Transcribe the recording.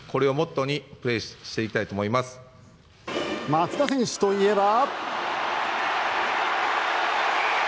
松田選手といえば。